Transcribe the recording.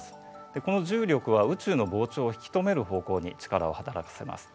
この重力は宇宙の膨張を引き止める方向に力を働かせます。